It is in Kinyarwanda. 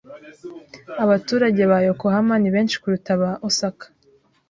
Abaturage ba Yokohama ni benshi kuruta aba Osaka.